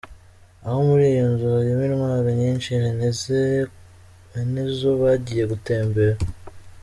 Aho muri iyo nzu harimo intwaro nyinshi benezo bagiye gutembera.